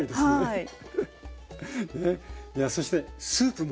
はい。